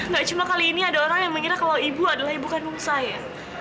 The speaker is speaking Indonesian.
gak cuma kali ini ada orang yang mengira kalau ibu adalah ibu kandung saya